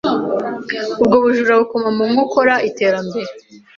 ubwo bujura bukoma mu nkokora iterambere